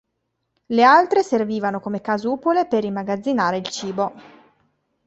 Le altre servivano come casupole per immagazzinare il cibo.